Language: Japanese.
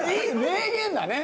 名言だね。